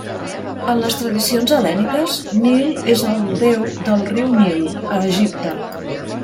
En les tradicions hel·lèniques, Nil és el déu del riu Nil, a Egipte.